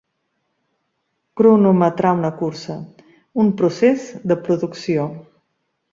Cronometrar una cursa, un procés de producció.